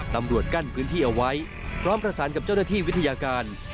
ตำรวจกั้นพื้นที่เอาไว้พร้อมประสานกับเจ้าหน้าที่วิทยาการ